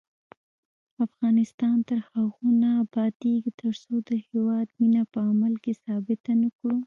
افغانستان تر هغو نه ابادیږي، ترڅو د هیواد مینه په عمل کې ثابته نکړو.